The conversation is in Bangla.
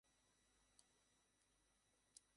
সুন্দর করে বল।